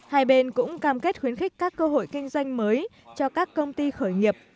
hai bên cũng cam kết khuyến khích các cơ hội kinh doanh mới cho các công ty khởi nghiệp